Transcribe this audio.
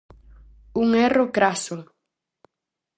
Un erro craso!